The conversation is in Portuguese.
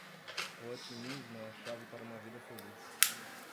O otimismo é a chave para uma vida feliz.